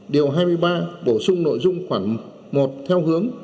điều hai mươi ba bổ sung nội dung khoảng một theo hướng